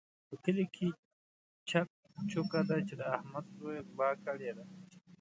په کلي کې چک چوکه ده چې د احمد زوی غلا کړې ده.